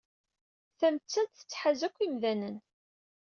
Tamettant tettḥaz akk imdanen.